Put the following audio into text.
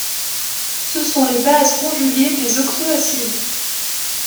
Ce sont les bases conjuguées des oxoacides.